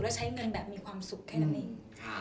แล้วใช้เงินแบบมีความสุขแค่นั้นเอง